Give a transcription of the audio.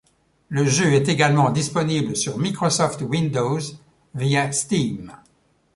Le jeu est également disponible sur Microsoft Windows via Steam.